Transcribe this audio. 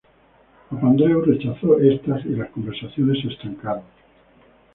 Papandreu rechazó estas y las conversaciones se estancaron.